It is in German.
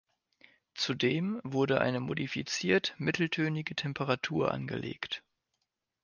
Zudem wurde eine modifiziert mitteltönige Temperatur angelegt.